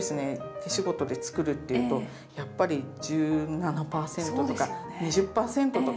手仕事で作るっていうとやっぱり１７％とか２０％とか。